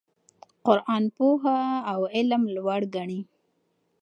قرآن پوهه او علم لوړ ګڼي.